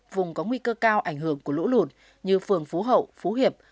vùng có nguy cơ cao ảnh hưởng của lũ lụt như phường phú hậu phú hiệp